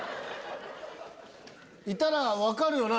いたら分かるよな？